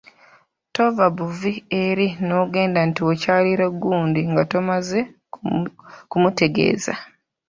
Tova buvi eri n'ogenda nti okyalire gundi nga tomaze kumutegeeza.